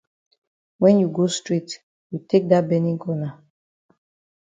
When you go straight you take dat benin corner.